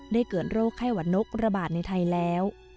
เกิดโรคไข้หวัดนกระบาดในไทยแล้ว